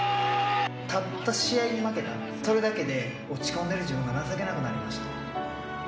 たった試合に負けた、それだけで落ち込んでる自分が情けなくなりました。